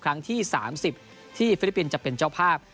ครั้งที่๓๐ที่ฟิลิปปินส์จะเป็นเจ้าภาพ